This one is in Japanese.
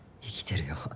生きてるよ。